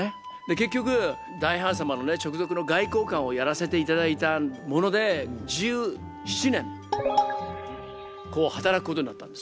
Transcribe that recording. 結局大ハーン様のね直属の外交官をやらせていただいたもので１７年こう働くことになったんですよ。